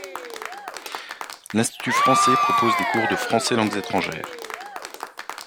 L’Institut français propose des cours de français langue étrangère.